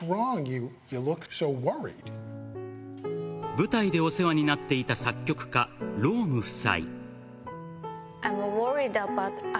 舞台でお世話になっていた作曲家、ローム夫妻。